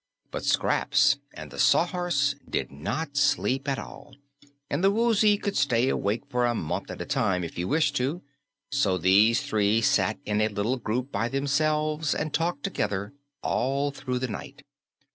But Scraps and the Sawhorse did not sleep at all, and the Woozy could stay awake for a month at a time if he wished to, so these three sat in a little group by themselves and talked together all through the night.